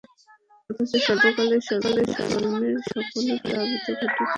অথচ সর্বকালের সর্ব ধর্মের সকলে প্লাবন সংঘটিত হওয়ার ব্যাপারে একমত।